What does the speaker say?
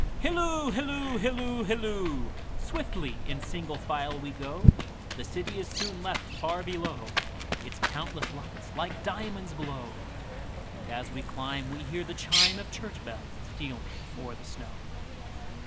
Hilloo, hilloo, hilloo, hilloo! Swiftly in single file we go, The city is soon left far below, Its countless lights like diamonds glow; And as we climb we hear the chimeOf church bells stealing o'er the snow.